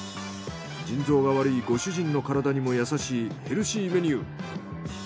腎臓が悪いご主人の体にも優しいヘルシーメニュー。